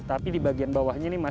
tapi di bagian bawahnya ini masih